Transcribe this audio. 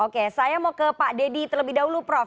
oke saya mau ke pak deddy terlebih dahulu prof